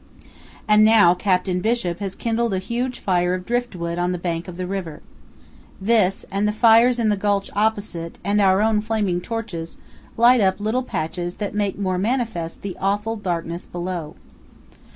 And now Captain Bishop has kindled a huge fire of driftwood on the bank of the river. This and the fires in the gulch opposite and our own flaming torches light up little patches that make more manifest the awful darkness below.